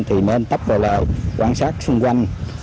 thì nên tắp vào lò quan sát xung quanh